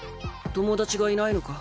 友達がいないのか？